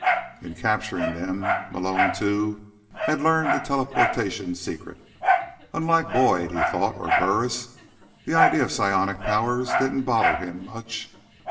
In capturing them, Malone, too, had learned the teleportation secret. Unlike Boyd, he thought, or Burris, the idea of psionic power didn't bother him much.